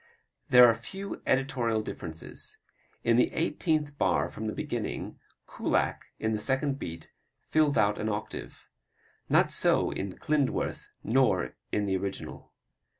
There are few editorial differences. In the eighteenth bar from the beginning, Kullak, in the second beat, fills out an octave. Not so in Klindworth nor in the original.